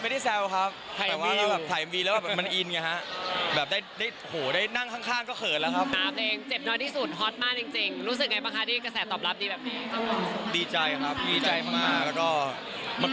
เดี๋ยวไปฟังทั้งหมดเลยค่ะ